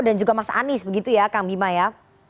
dan juga mas anies begitu ya kang bima ya